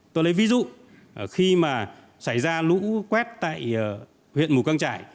tôi lấy ví dụ khi mà xảy ra lũ quét tại huyện mù căng trải